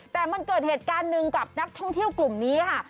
แต่มันเกิดเหตุการณ์หนึ่งกับนักท่องเที่ยวกลุ่มนี้ค่ะ